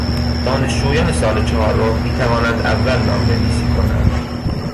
دانشجویان سال چهارم میتوانند اول نام نویسی کنند.